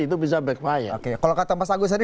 itu bisa backfire kalau kata mas agus tadi